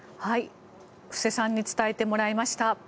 布施さんに伝えてもらいました。